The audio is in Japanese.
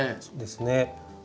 そうですね。